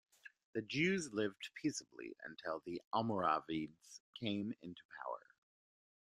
The Jews lived peaceably until the Almoravides came into power.